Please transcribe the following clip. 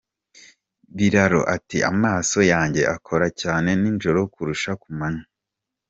Biraro ati “Amaso yanjye akora cyane nijoro kurusha ku manywa.